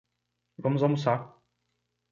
Vamos almoçar